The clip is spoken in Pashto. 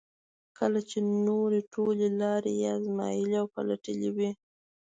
کله چې نورې ټولې لارې یې ازمایلې او پلټلې وي.